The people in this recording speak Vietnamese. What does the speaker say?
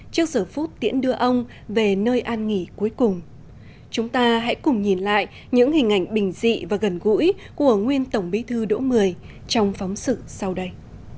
trước giờ phút tiễn đưa ông về nơi an nghỉ cuối cùng chúng ta hãy cùng nhìn lại những hình ảnh bình dị và gần gũi của nguyên tổng bỉ thứ đổ mươi trong phóng sự sau đây